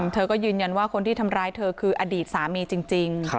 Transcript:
เธอก็ยืนยันว่าคนที่ทำร้ายเธอคืออดีตสามีจริง